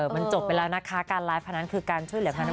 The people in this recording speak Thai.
มันจบไปแล้วนะคะการไลฟ์พนันคือการช่วยเหลือพนักงาน